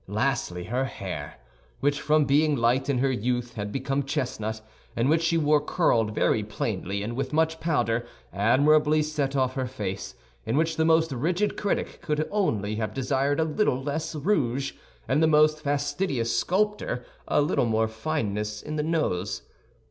Lastly, her hair, which, from being light in her youth, had become chestnut, and which she wore curled very plainly, and with much powder, admirably set off her face, in which the most rigid critic could only have desired a little less rouge, and the most fastidious sculptor a little more fineness in the nose.